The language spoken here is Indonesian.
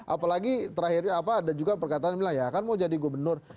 apalagi terakhirnya apa ada juga perkataan bilang ya kan mau jadi gubernur